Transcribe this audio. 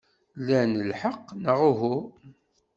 Lan lḥeqq, neɣ uhu?